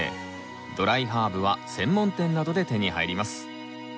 ドライハーブは専門店などで手に入ります。